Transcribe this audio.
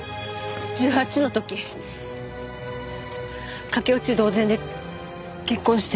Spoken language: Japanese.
１８の時駆け落ち同然で結婚して。